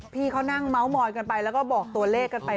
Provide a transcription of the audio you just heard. พี่เขานั่งเมาส์มอยกันไปแล้วก็บอกตัวเลขกันไป